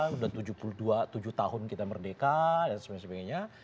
sudah tujuh puluh dua tujuh tahun kita merdeka dan sebagainya